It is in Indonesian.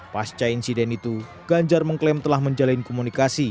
pasca insiden itu ganjar mengklaim telah menjalin komunikasi